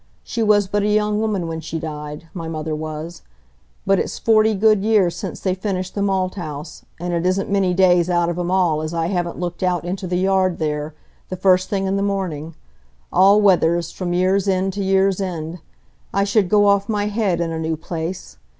She was but a young woman when she died, my mother was. But it's forty good year since they finished the malt house, and it isn't many days out of 'em all as I haven't looked out into the yard there, the first thing in the morning,—all weathers, from year's end to year's end. I should go off my head in a new place.